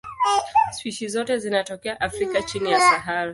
Spishi zote zinatokea Afrika chini ya Sahara.